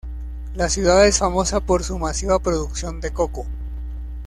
La ciudad es famosa por su masiva producción de coco.